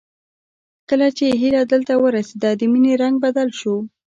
کله چې هيله دلته ورسېده د مينې رنګ بدل شو